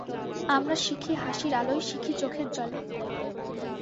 আমরা শিখি হাসির আলোয়, শিখি চোখের জলে।